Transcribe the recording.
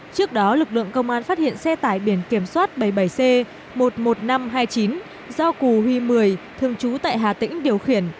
trước đó lực lượng công an phát hiện xe tải biển kiểm soát bảy mươi bảy c một mươi một nghìn năm trăm hai mươi chín do cù huy một mươi thường trú tại hà tĩnh điều khiển